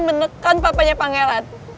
menekan papanya pangeran